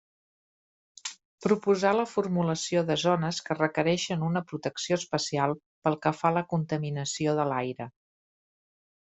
Proposar la formulació de zones que requereixen una protecció especial pel que fa a la contaminació de l'aire.